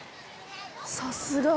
さすが。